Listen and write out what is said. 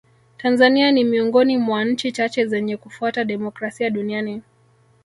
tanzania ni miongoni mwa nchi chache zenye kufuata demokrasia duniani